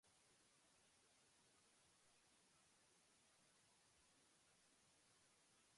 In this case, the ocean is given the human emotion of pain.